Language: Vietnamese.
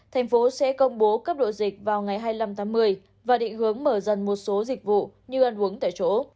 thành phố sẽ công bố cấp độ dịch vào ngày hai mươi năm tháng một mươi và định hướng mở dần một số dịch vụ như ăn uống tại chỗ